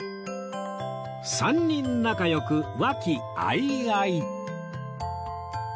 ３人仲良くわきあいあい